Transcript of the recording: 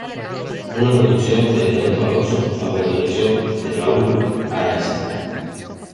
Una producción de Ernesto Alonso bajo la dirección de Raúl Araiza.